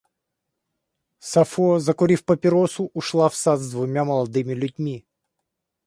Сафо, закурив папиросу, ушла в сад с двумя молодыми людьми.